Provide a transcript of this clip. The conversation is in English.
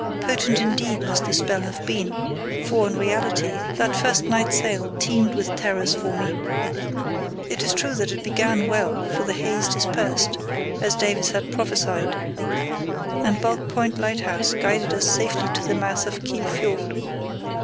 Potent indeed must the spell have been, for, in reality, that first night sail teemed with terrors for me. It is true that it began well, for the haze dispersed, as Davies had prophesied, and Bulk Point Lighthouse guided us safely to the mouth of Kiel Fiord.